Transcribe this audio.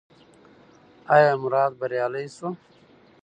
ایا مراد بریالی شو؟